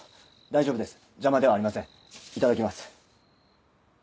大丈夫です邪魔ではありませんいただきます。